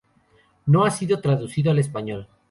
No ha sido traducido al español.